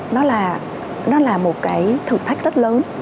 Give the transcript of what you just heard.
nó là một cái thử thách rất lớn